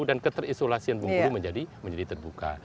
dan keterisolasi bung kulu menjadi terbuka